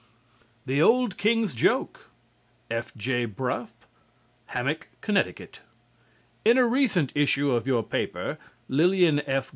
"THE OLD KING'S JOKE" F.J. BRUFF, Hammick, Conn. In a recent issue of your paper, Lillian F.